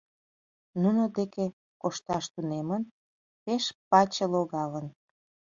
Муно деке кошташ тунемын, пеш паче логалын.